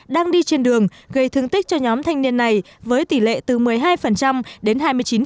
đang đi trên đường gây thương tích cho nhóm thanh niên này với tỷ lệ từ một mươi hai đến hai mươi chín